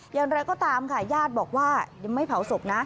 อย่างไรก็ตามค่ะญาติบอกว่ายังไม่เผาศพนะ